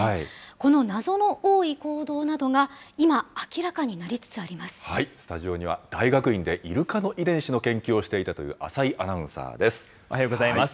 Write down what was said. この謎の多い行動などが、今、スタジオには、大学院でイルカの遺伝子の研究をしていたという浅井アナウンサーおはようございます。